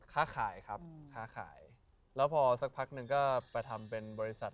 ค้าขายครับค้าขายแล้วพอสักพักหนึ่งก็ไปทำเป็นบริษัท